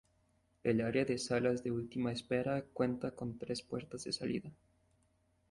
El área de salas de última espera cuenta con tres puertas de salida.